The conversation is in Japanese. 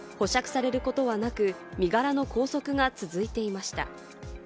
保釈されることはなく、身柄の拘束が続いていました。